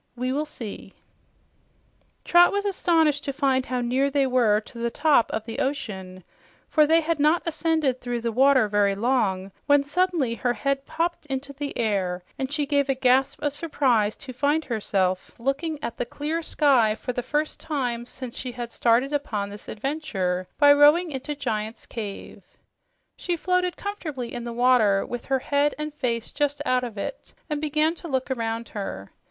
We will see." Trot was astonished to find how near they were to the "top" of the ocean, for they had not ascended through the water very long when suddenly her head popped into the air, and she gave a gasp of surprise to find herself looking at the clear sky for the first time since she had started upon this adventure by rowing into Giant's Cave. She floated comfortably in the water, with her head and face just out of it, and began to look around her.